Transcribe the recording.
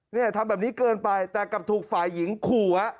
เนี่ยทำแบบนี้เกินไปแต่กลับถูกฝ่ายหญิงขู่ฮะ